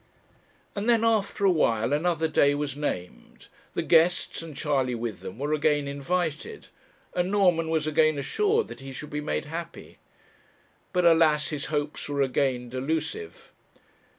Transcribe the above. And then after a while another day was named, the guests, and Charley with them, were again invited, and Norman was again assured that he should be made happy. But, alas! his hopes were again delusive.